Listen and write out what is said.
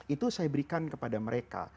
itu saya berikan kepada mereka